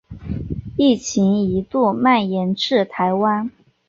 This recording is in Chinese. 疫情一度蔓延至台湾。